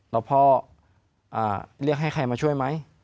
แล้วพ่อเรียกให้ใครมาช่วยไหม